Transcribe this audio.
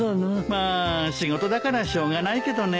まあ仕事だからしょうがないけどね。